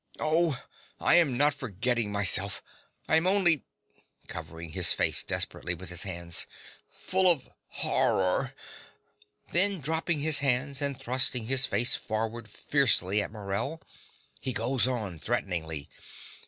Oh, I am not forgetting myself: I am only (covering his face desperately with his hands) full of horror. (Then, dropping his hands, and thrusting his face forward fiercely at Morell, he goes on threateningly.)